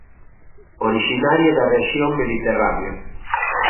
Orixinaria da rexión mediterránea.